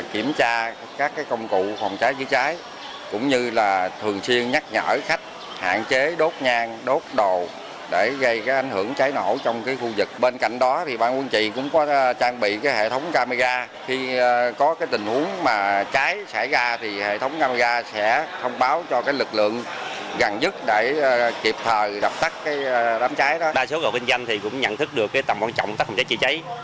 kinh doanh cũng nhận thức được tầm quan trọng các phòng cháy chữa cháy